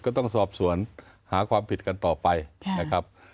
ก็ต้องสอบสวนหาความผิดกันต่อไปนะครับ